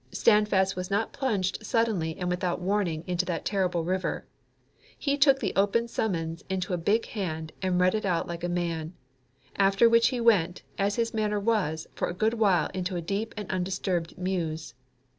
Standfast was not plunged suddenly and without warning into the terrible river. He took the open summons into big own hand and read it out like a man. After which he went, as his manner was, for a good while into a deep and undisturbed muse.